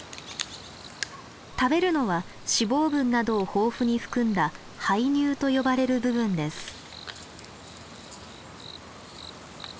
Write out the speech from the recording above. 食べるのは脂肪分などを豊富に含んだ胚乳と呼ばれる部分です。